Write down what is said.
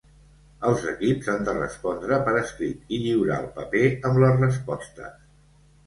Els equips han de respondre per escrit i lliurar el paper amb les respostes.